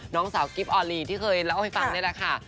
น้องสาวกิ๊บออลีที่เคยเล่าให้ฟังนี่แหละค่ะ